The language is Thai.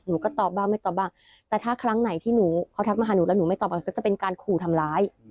ก็ตอบบ้างไม่ตอบบ้างแต่ถ้าครั้งไหนที่หนูเขาทักมาหาหนูแล้วหนูไม่ตอบอะไรก็จะเป็นการขู่ทำร้าย